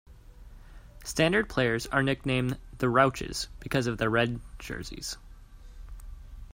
Standard players are nicknamed the "Rouches" because of their red jerseys.